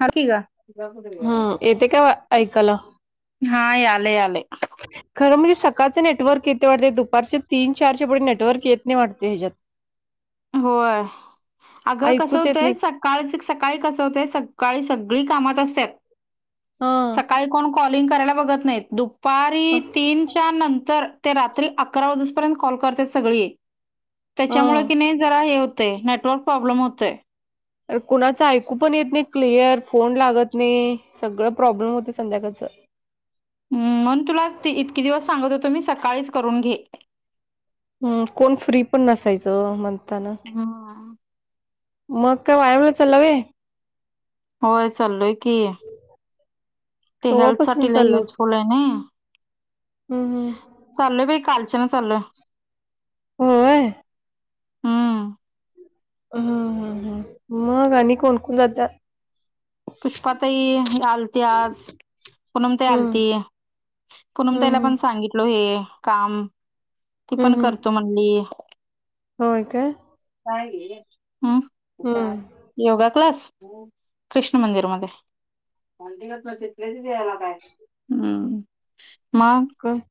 हाय की गं, हम्म येते का ऐकायला हा याले या ले. खरं म्हणजे सकाळचं नेटवर्क येते वाटत, दुपारच्या तीन चारच्या पुढे नेटवर्क येत नाही वाटत हेच्यात. [inaudible] [unintelligible] होय, अगं कसं ऐकूच येत होतंय नाही सक कालच सकाळी कस होतय सकाळी सगळी कामात असतात. हां सकाळी कोण कॉलिंग करायला बघत नाही, दु दुपारी हां तीनच्या नंतर ते, रात्री अकरा वाजेपर्यंत कॉल करते सगळी. तेच्यामुळे कणी जरा हे, होतंय नेटवर्क प्रॉब्लेम होतंय. अ कुणाचं ऐकू पण येत नाही क्लिअर फोन लागत नाही. सगळं प्रॉब्लेम होते, संध्याकाळच. हमम म्हणून तुला इतकी दिवस सांगत होतो मी सकाळीच करून घे. हम्. कोण फ्री पण नसायचं म्हणताना. हां.. मग काय, व्यायामला चाला व्हयं. होय चालोय की, ते हेल्थ केव्हापासून साठी लै, चालला युजफुल आहे नी. हम्म. हम्म चालोय बाई कालचान चालोय. होय? हम्म. हं हं हं. मग आणि कोणकोण जात्यात. पुष्पाताई आलती आज, पुनमताई हम्म आलती. पुनम ताईला हम्म पण सांगितलो हे काम. ती हम्म पण हम्म करतो हम्म म्हणली, होय काय काय हे. हम्म योगा क्लास, कृष्ण मंदिर मध्ये. हम्म.. मगं. क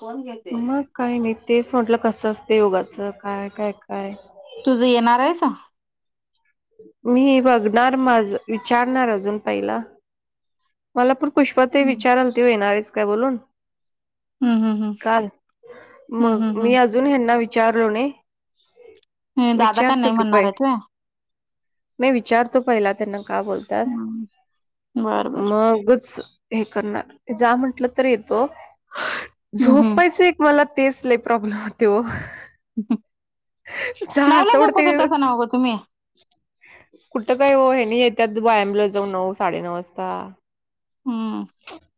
कोण घेते. काय नाही तेच म्हटलं कसं असते, योगाचं काय काय काय. तुझं येणार आहेस. मी बघणार माझ विचारणार अजून पहिला. मला पूण पुष्पा ताई हम्म विचारालती येणार आहेस का म्हणून हम्म हम्म काल, हम्म मग हम्म हम्म मी अजून हेना विचारलो नाही. हे दादा का विचारतो नाही की म्हणणार पै आहेत व्हय नाही विचारतो पहिला, त्यांना का बोलत्यास. हम्म बर बर मगच हे करणार जा म्हंटलं तर येतो हम्म हम्म झोपेच एक मला तेच, लैय प्रॉब्लेम होते ओ. नऊ ला असं झोपत होता, वाटते सा नवं तुम्ही. कुठं काय हो हेनी येत्यात, व्यायामला जाऊ नऊ साडे नऊ वाजता. हम्म.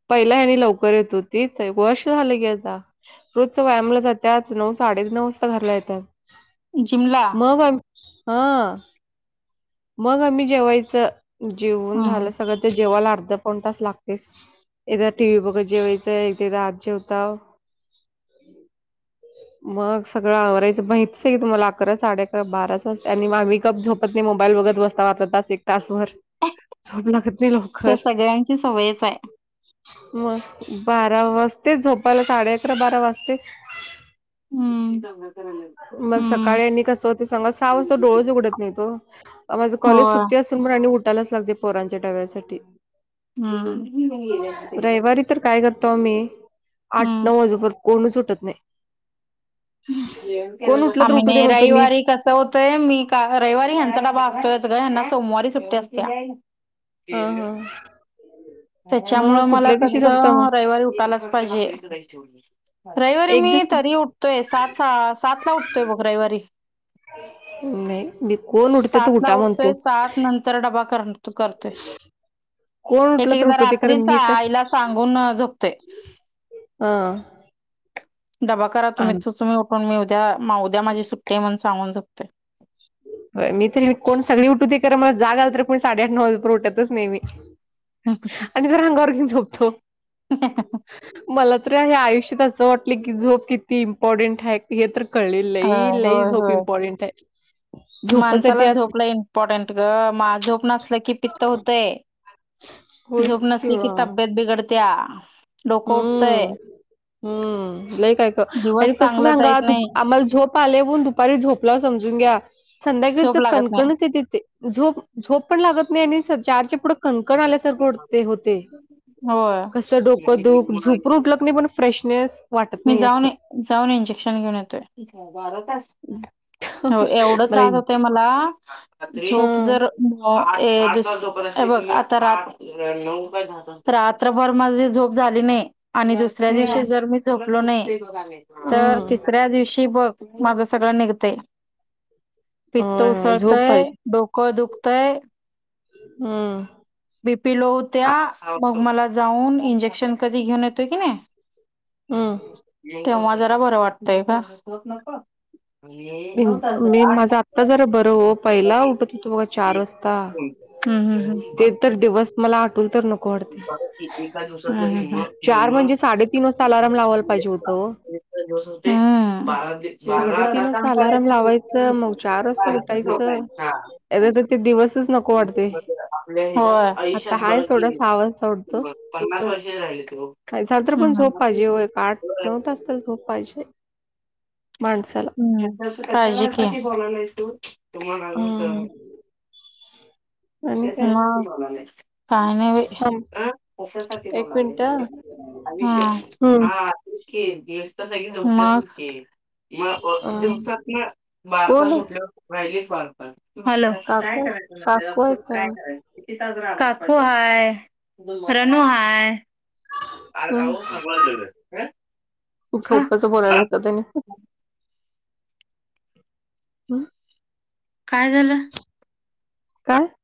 पहिला आणि आणि लवकर येत होती वर्ष झालं की आता. रोजचं व्यायामला जात्यात, नऊ साडे नऊ वाजता घरला येतात. जिमला मग ह मग आम्ही जेवायचं जेवून हम्म झालं सगळं तर जेवायला अर्ध पाऊण तास लागतेस एकदा टीवी बघत जेवायचंय एकेकदा आत जेवताव. मग सगळं आवरायचं माहीतच आहे तुम्हाला अकरा साडे अकरा बाराच वाजते, आणि मग मी गप झोपत नाही. मोबाईल बघत बसताव आता तास एक तास भर झोप लागत नाही लव ते सगळ्यांची सवयच आहे. मग बारा वाजतेच झोपायला साडे अकरा बारा वाजतेच. हम्म मग हम्म सकाळी आणि कस होते सांग सा वाजता डोळच उघडत नाही हो. माझं कॉलेज होय सुट्टी असून पण आणि उठायलाच लागते पोरांच्या डब्यासाठी. हम्म. रविवारी तर काय करतो आम्ही, आठ हम्म. नऊ वाजू पर्यंत कोणच उठत नाही. कोण उठलं तर आम्ही उठू दे नाही म्हणतो मी रविवारी कस कसं होतंय, मी का रविवारी ह्यांचा डबा असतोय गं हेना सोमवारी सुट्टी असत्या. हां हां. त्याच्यामुळं मला झोपता मग? कसं, रविवारी उठायलाच पाहिजे. रविवारी एक मी दिवस कुठ तरी, उठतोय सात सात ला उठतोय बघ रविवारी. नाही मी कोण उठते तर सात ला उठा उठतोय म्हणतो. सात नंतर तर डबा कर त करतेय. कोण उठला तर उठुदे खर मी काय आईला सांगून अ, झोपतोय. अ डबा करा तुम्ही तुम्ही उठून मी उद्या उद्या माझी सुट्टी म्हण सांगून झोपते. होय मी तर कोण सगळी उठूदे खर मला जाग आल तरी कोण साडेआठ नऊ वाजे परेंत उठतच नाही मी [unintelligible] [unintelligible] [unintelligible] जादर अंगावर घेऊन झोपतो. ह [unintelligible] मला तर या आयुष्यात असं वाटलं की झोप किती इम्पॉर्टंट हाय. हे तर कळले होय लई लई होय झोप होय. इंपार्टेंट आहे. झोपासाठी माणसाला अस झोप इम्पॉर्टंट गं, मा झोप नसलं की पित्त होतंय. झोप होईच नसली की किंवा तब्येत बिघडत्या. डोकं उठतंय हम्म हम्म लय काय का दिवस आणि कसं चांगलं सांगा जात नाही आम्हाला झोप पाले होउन दुपारी झोपलाव समजून घ्या संध्याकाळीच झोप लागत नाही कणकणच येते ते. झोप झोप पण लागत नाही आणि चारचे पुढं कणकण आल्यासारखंते होते होय कस डोक ब झूपरू उठलकनी पण फ्रेशनेस [unintelligible] मी असं जाऊन जाऊन इंजेक्शन घेऊन येतोय बारा तास हो एवढ मला त्रास होतय मला झोप हम्म जर हे बघ आता रात [unintelligible] रात्रभर माझी झोप झाली नाही आणि दुस तिसऱ्या हम्म दिवशी जर, मी झोपलो नाही तर हम्म तिसऱ्या दिवशी बघ. माझं सगळं निघतय पित्त होय होय झोप पाहिजे उसळतय डोकं दुखतय. हम. बी पी लो होत्या मग मला जाऊन इंजेक्शन कधी घेऊन येतोय की नाही हम्म तेव्हा जरा बरं वाटतंय ग. नऊ तास इन- मी आठ माझं आत्ता जरा बरं हो पहिला उठत होतो बघा चार वाजता [unintelligible] हम्म हम् ते हम्. तर दिवस मला आठवू तर न कोड एका दिवसाच निम्म चार निम्म म्हणजे साडेतीन वाजता अलारम लावायला पाहिजे होतो. हम्म. साडेतीन वाजता अलार्म लावायचं हा मग चार वाजता उठायचं [unintelligible] आता तर ते दिवसचं नको वाटतोय. आपल्या आयुष्यात बघा की सहा वाजता पन्नास वर्ष झाले की काय झालं तरी पण झोप पाहिजे एक आठ नऊ तास झोप पाहिजे हो माणसाला. किती बोलाला तू तुम्हाला [unintelligible] हम्म आणि काय मग काय नाही बाई थांब अ कशासाठी एक मिनिट बोलायलसं हम्म आयष्य हा [unintelligible] गेस तर [unintelligible] मग अ दिवसातनं बारा तास कोण आहे झोपल्यावर राहिलेच बारा तास हँलो! काकू आहे काकू आहे काय काकू हाय रणू हाय हं. खूप का सोप्पच [unintelligible] [unintelligible] हम्म्म. काय झालं? काय